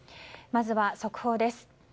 まずは速報です。